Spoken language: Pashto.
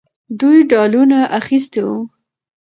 دوی ډالونه اخیستي وو.